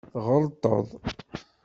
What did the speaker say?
Tɣelṭeḍ.